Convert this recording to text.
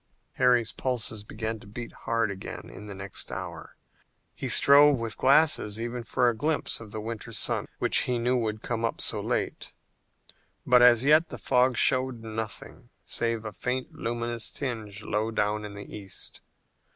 Harry's pulses began to beat hard again in the next hour. He strove with glasses even for a glimpse of the winter sun which he knew would come so late, but as yet the fog showed nothing save a faint luminous tinge low down in the east.